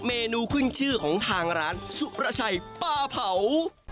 เมนูขึ้นชื่อของทางร้านสุรชัยปลาเผา